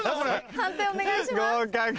判定お願いします。